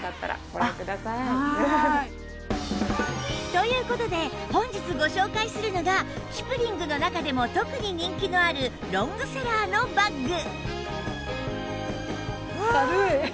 という事で本日ご紹介するのがキプリングの中でも特に人気のあるロングセラーのバッグ